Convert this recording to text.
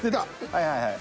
はいはいはい。